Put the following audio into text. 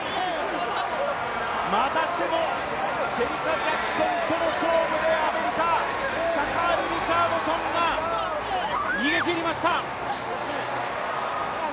またしてもシェリカ・ジャクソンとの勝負でアメリカシャカーリ・リチャードソンが逃げきりました。